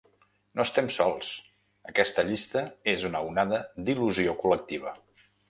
No estem sols: aquesta llista és una onada d’il·lusió col·lectiva.